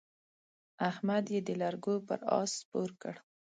احمد يې د لرګو پر اس سپور کړ.